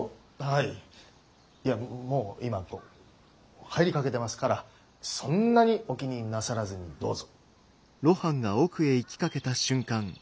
いやもう今こう入りかけてますからそんなにお気になさらずにどーぞ！